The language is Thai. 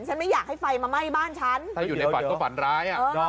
ไม่อยากให้ไฟมาไหม้บ้านฉันถ้าอยู่ในฝันก็ฝันร้าย